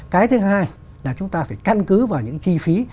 cái thứ hai là chúng ta phải căn cứ vào những chi phí